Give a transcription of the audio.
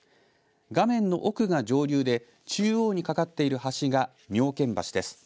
画面の奥が上流で中央に架かっている橋が妙見橋です。